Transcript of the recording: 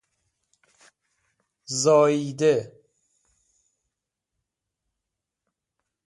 زاییده